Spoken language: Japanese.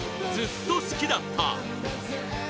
「ずっと好きだった」